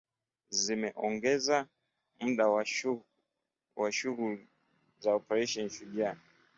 Zimeongeza muda wa shughuli za Operesheni Shujaa